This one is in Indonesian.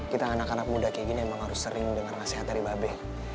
kita anak anak muda kayak gini emang harus sering denger ngasehat dari mba be